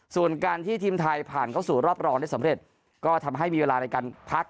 ส่วนการที่ทีมไทยผ่านเข้าสู่รอบรองได้สำเร็จก็ทำให้มีเวลาในการพัก